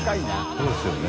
そうですよね。